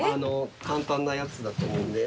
簡単なやつだと思うんで。